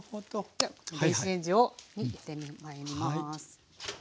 じゃあ電子レンジにいってまいります。